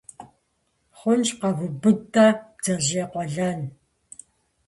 – Хъунщ. Къэвубыд-тӀэ бдзэжьей къуэлэн.